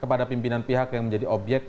kepada pimpinan pihak yang menjadi obyek